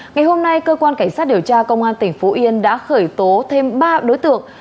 ngày hôm nay cơ quan cảnh sát điều tra công an tỉnh phú yên đã khởi tố thêm ba đối tượng